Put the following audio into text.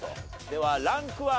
ではランクは？